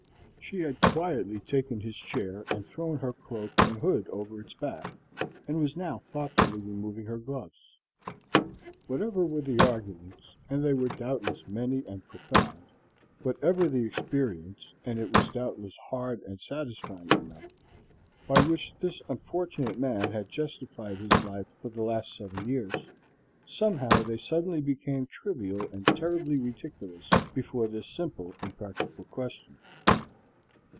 She had quietly taken his chair and thrown her cloak and hood over its back, and was now thoughtfully removing her gloves. Whatever were the arguments, and they were doubtless many and profound, whatever the experience, and it was doubtless hard and satisfying enough, by which this unfortunate man had justified his life for the last seven years, somehow they suddenly became trivial and terribly ridiculous before this simple but practical question.